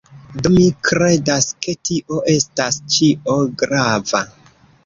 Do, mi kredas, ke tio estas ĉio grava.